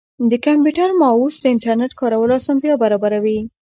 د کمپیوټر ماؤس د انټرنیټ کارولو اسانتیا برابروي.